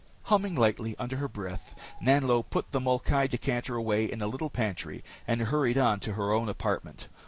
Humming lightly under her breath, Nanlo put the molkai decanter away in a little pantry and hurried on to her own apartment.